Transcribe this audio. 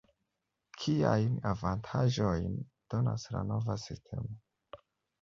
Kiajn avantaĝojn donas la nova sistemo?